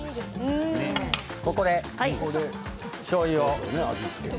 ここで、しょうゆを。